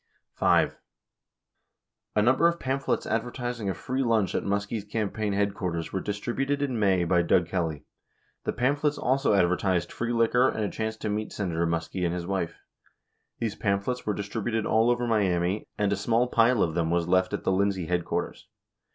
5. A number of pamphlets advertising a free lunch at Muskie's campaign headquarters were distributed in Miami by Doug Kelly. 70 The pamphlets also advertised free liquor and a chance to meet Sena tor Muskie and his wife. These pamphlets were distributed all over Miami, and a small pile of them was left at the Lindsay headquarters.